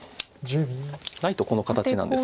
ないとこの形なんです。